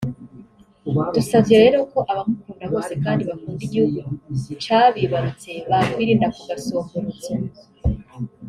Dusavye rero ko abamukunda bose kandi bakunda igihugu cabibarutse bokwirinda ako gasomborotso